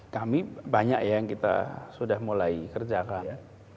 kami banyak ya yang sudah kita mulai kerjakan